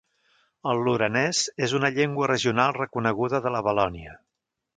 El lorenès és una llengua regional reconeguda de la Valònia.